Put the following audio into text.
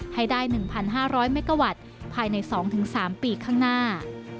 ให้ได้๑๕๐๐เมกาวัตต์ภายใน๒๓ปีข้างหน้า